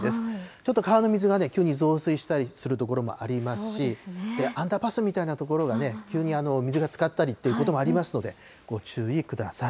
ちょっと川の水が急に増水したりする所もありますし、アンダーパスみたいな所がね、急に水がつかったりということもありますので、ご注意ください。